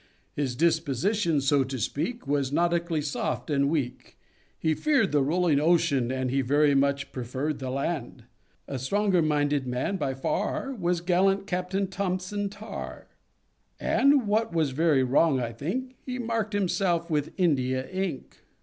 _ _His disposition, so to speak, Was nautically soft and weak; He feared the rolling ocean, and He very much preferred the land._ _A stronger minded man by far Was gallant Captain Thompson Tar; And (what was very wrong, I think) He marked himself with India ink.